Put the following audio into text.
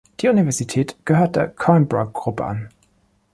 Die Universität gehört der Coimbra-Gruppe an.